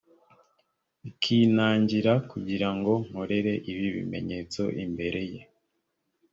ikinangira kugira ngo nkorere ibi bimenyetso imbereye